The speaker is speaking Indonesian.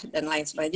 dan lain sebagainya